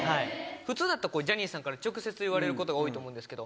普通だったらこうジャニーさんから直接言われることが多いと思うんですけど